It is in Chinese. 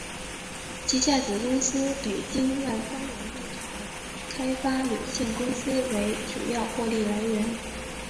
旗下子公司北京万方源房地产开发有限公司为主要获利来源。